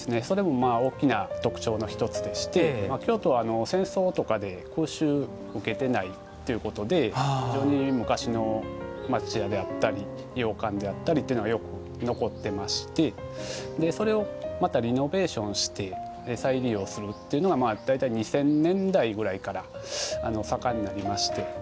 それも大きな特徴の一つでして京都は戦争とかで空襲受けてないっていうことで非常に昔の町家であったり洋館であったりっていうのがよく残ってましてでそれをまたリノベーションして再利用するっていうのが大体２０００年代ぐらいから盛んになりまして